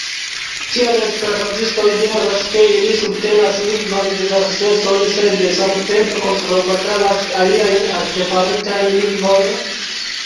Kial esperantistoj diras, ke ili subtenas lingvan diversecon, sed samtempe kontraŭbatalas aliajn artefaritajn lingvojn?